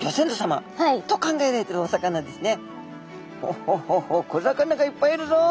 「ホホホホ小魚がいっぱいいるぞ」。